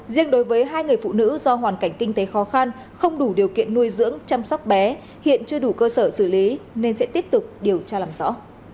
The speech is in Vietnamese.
riêng đối với hai người phụ nữ do hoàn cảnh kinh tế khó khăn không đủ điều kiện nuôi dưỡng chăm sóc bé hiện chưa đủ cơ sở xử lý nên sẽ tiếp tục điều tra làm rõ